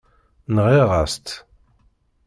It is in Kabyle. Nɣiɣ-as-tt.